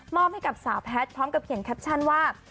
อบให้กับสาวแพทย์พร้อมกับเขียนแคปชั่นว่า